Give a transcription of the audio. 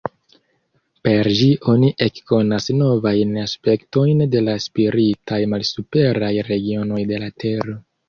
Per ĝi oni ekkonas novajn aspektojn de la spiritaj malsuperaj regionoj de la Tero.